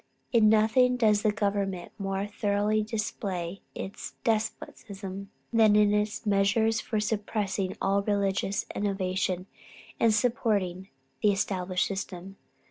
In nothing does the government more thoroughly display its despotism, than in its measures for suppressing all religious innovation, and supporting the established system....